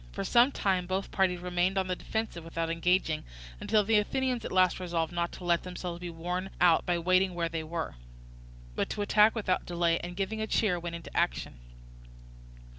For some time both parties remained on the defensive without engaging, until the Athenians at last resolved not to let themselves be worn out by waiting where they were, but to attack without delay, and giving a cheer, went into action.